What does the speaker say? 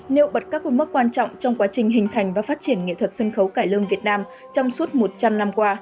nêu bật các cột mốc quan trọng trong quá trình hình thành và phát triển nghệ thuật sân khấu cải lương việt nam trong suốt một trăm linh năm qua